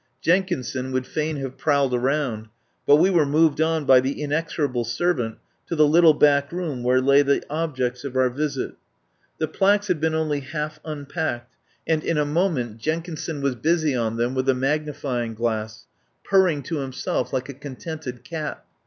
Jenkinson would fain have prowled around, but we were moved on by the inexor able servant to the little back room where lay the objects of our visit. The plaques had been only half unpacked, and in a moment Jenkinson was busy on them with a magnify ing glass, purring to himself like a contented cat.